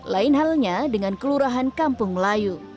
lain halnya dengan kelurahan kampung melayu